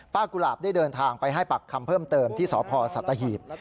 กุหลาบได้เดินทางไปให้ปากคำเพิ่มเติมที่สพสัตหีบ